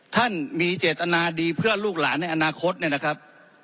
ท่านมีเจตนาดีเพื่อลูกหลานในอนาคตเนี่ยนะครับ